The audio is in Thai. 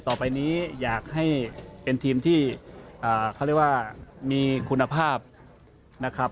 ต่อไปนี้อยากให้เป็นทีมที่เขาเรียกว่ามีคุณภาพนะครับ